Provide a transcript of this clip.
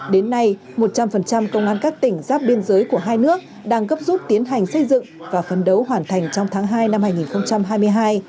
đến nay một trăm linh công an các tỉnh giáp biên giới của hai nước đang gấp rút tiến hành xây dựng và phấn đấu hoàn thành trong tháng hai năm hai nghìn hai mươi hai